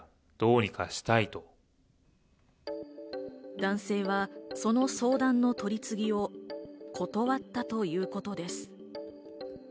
男性はその相談の取り次ぎを断ったということです。